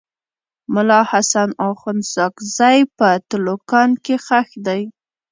ملا حسن اخند ساکزی په تلوکان کي ښخ دی.